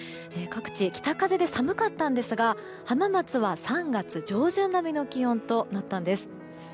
各地、北風で寒かったんですが浜松は３月上旬並みの気温となったんです。